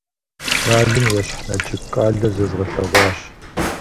Налым ещхь Налшык къалэр зэзгъэлъэгъуащ.